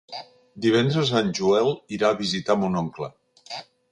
Divendres en Joel irà a visitar mon oncle.